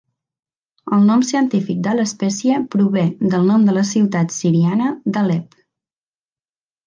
El nom científic de l'espècie prové del nom la ciutat siriana d'Alep.